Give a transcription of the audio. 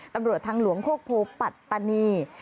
ตำรวจทางหลวงโคกโพปัตตานี